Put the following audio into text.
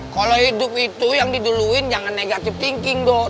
kalau hidup itu yang diduluin jangan negative thinking dong